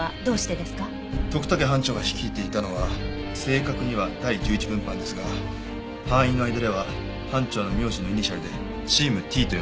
徳武班長が率いていたのは正確には第１１分班ですが班員の間では班長の名字のイニシャルでチームＴと呼んでいました。